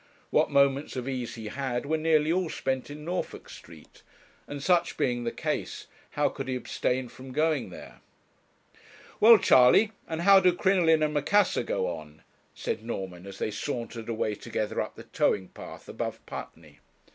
What moments of ease he had were nearly all spent in Norfolk Street; and such being the case how could he abstain from going there? 'Well, Charley, and how do 'Crinoline and Macassar' go on?' said Norman, as they sauntered away together up the towing path above Putney.